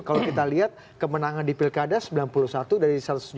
kalau kita lihat kemenangan di pilkada sembilan puluh satu dari satu ratus tujuh puluh